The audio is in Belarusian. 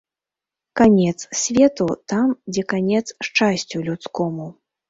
Канец свету там, дзе канец шчасцю людскому.